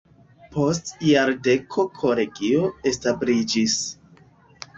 Post jardeko kolegio establiĝis.